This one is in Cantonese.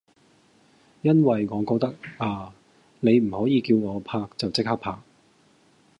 因為我覺得呀你唔可以叫我拍就即刻拍